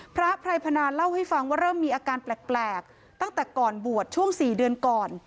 พระไพรพนาเล่าให้ฟังว่าเริ่มมีอาการแปลกตั้งแต่ก่อนบวชช่วง๔เดือนก่อน